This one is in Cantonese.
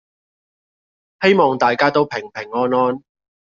希望大家都平平安安